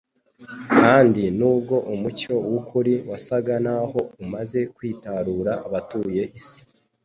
Kandi nubwo umucyo w'ukuri wasaga naho umaze kwitarura abatuye isi,